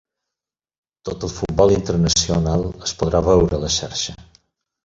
Tot el futbol internacional es podrà veure a la xarxa